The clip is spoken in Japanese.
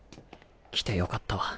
来てよかったわ。